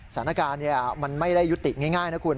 สถานการณ์มันไม่ได้ยุติง่ายนะคุณ